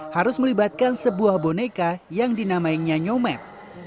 harus melibatkan sebuah boneka yang dinamainya nyomep